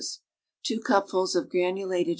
i cupfuLs of granulated .